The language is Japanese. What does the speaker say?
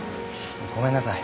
ごめんなさい。